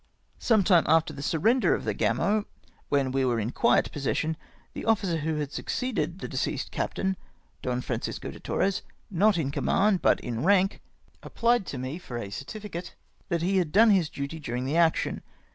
Some time after the surrender of the Gamo^ and when we were in quiet possession, the officer who had succeeded the deceased Captain Don Francisco de Torres, not m connnand, but in rank, apphed to me for a certificate that he liad done his duty during the action!